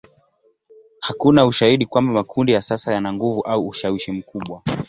Hakuna ushahidi kwamba makundi ya sasa yana nguvu au ushawishi mkubwa.